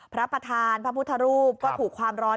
พระประธานพระพุทธรูปก็ถูกความร้อน